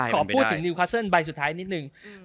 ขอพูดถึงนิวคัสเซิลใบสุดท้ายนิดนึง